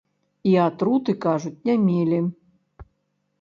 І атруты, кажуць, не мелі.